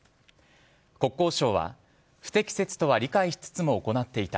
国交省は不適切とは理解しつつ行っていた。